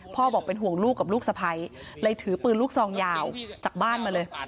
พ่อบอกเป็นห่วงลูกกับลูกสะพ้ายเลยถือปืนลูกซองยาวจากบ้านมาเลย